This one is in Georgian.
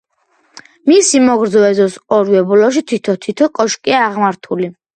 მისი მოგრძო ეზოს ორივე ბოლოში თითო-თითო კოშკია აღმართული.